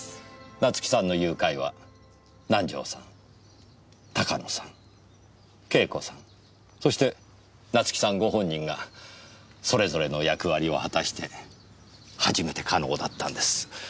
夏樹さんの誘拐は南条さん鷹野さん惠子さんそして夏樹さんご本人がそれぞれの役割を果たして初めて可能だったんです。